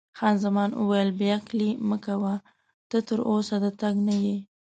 خان زمان وویل: بې عقلي مه کوه، ته تراوسه د تګ نه یې.